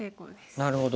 なるほど。